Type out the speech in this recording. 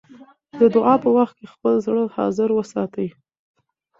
د دعا په وخت کې خپل زړه حاضر وساتئ.